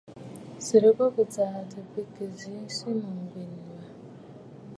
Sɨrɨ bo bɨ̀ bɨ̀jààntə̂ bi bɔ kì ghɛ̀ɛ a nsìʼi mûŋgèn wâ.